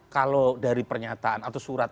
kalau dari pernyataan atau surat